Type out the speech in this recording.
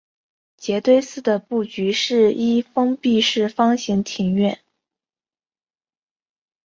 杰堆寺的布局是一封闭式方形庭院。